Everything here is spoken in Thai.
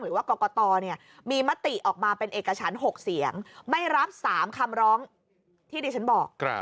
หรือว่ากรกตมีมติออกมาเป็นเอกชั้น๖เสียงไม่รับ๓คำร้องที่ดิฉันบอก